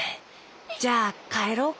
じゃあかえろうか。